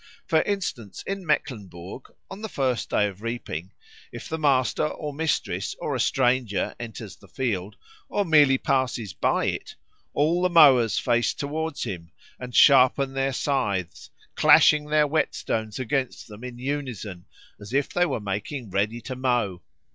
For instance, in Mecklenburg on the first day of reaping, if the master or mistress or a stranger enters the field, or merely passes by it, all the mowers face towards him and sharpen their scythes, clashing their whet stones against them in unison, as if they were making ready to mow.